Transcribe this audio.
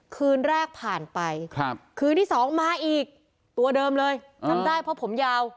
คืนแรกผ่านไปคืนที่สองมาอีกตัวเดิมเลยจำได้เพราะผมยาว